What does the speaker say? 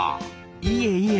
いえいえ。